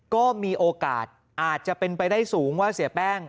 ก็มีโอกาสอาจจะเป็นไปได้สูงว่าเสียแป้ง